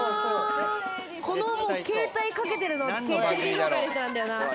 この携帯かけてるの、テレビ業界の人なんだよな。